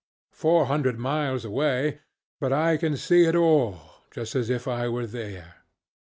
Four hundred miles away, but I can see it all, just as if I were there.